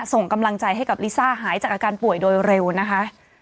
ส่งกำลังใจให้กับลิซ่าหายจากอาการป่วยโดยเร็วนะคะ